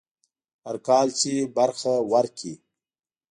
هر کال چې برخه ورکړي.